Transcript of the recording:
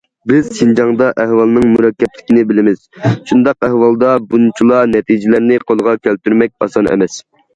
بىز شىنجاڭدا ئەھۋالنىڭ مۇرەككەپلىكىنى بىلىمىز، شۇنداق ئەھۋالدا بۇنچىلا نەتىجىلەرنى قولغا كەلتۈرمەك ئاسان ئەمەس.